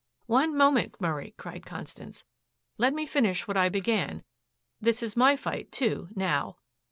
"One moment, Murray," cried Constance. "Let me finish what I began. This is my fight, too, now."